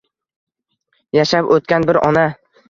Yashab o‘tgan bir ona.